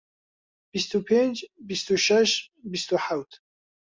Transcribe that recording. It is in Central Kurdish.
بیست و پێنج، بیست و شەش، بیست و حەوت